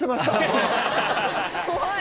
怖い！